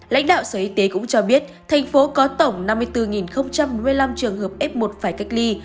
lãnh đạo sở y tế cũng cho biết thành phố có tổng năm mươi bốn một mươi năm trường hợp f một phải cách ly